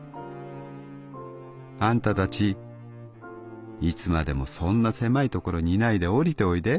『あんたたちいつまでもそんな狭い所にいないで降りておいで』」。